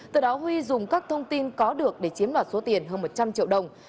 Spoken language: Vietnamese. từ đó huy dùng các thông tin có được để chiếm đoạt số tiền hơn một trăm linh triệu đồng